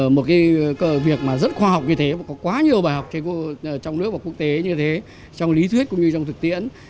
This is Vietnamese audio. một cái việc mà rất khoa học như thế và có quá nhiều bài học trong nước và quốc tế như thế trong lý thuyết cũng như trong thực tiễn